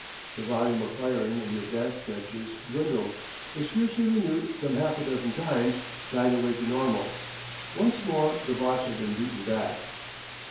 The volume of firing in the advance trenches dwindled, was fiercely renewed some half a dozen times, died away to normal. Once more the Boche had been beaten back.